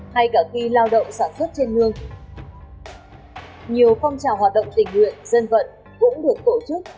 hay cả khi lao động sản xuất trên nương nhiều phong trào hoạt động tình nguyện dân vận cũng được tổ chức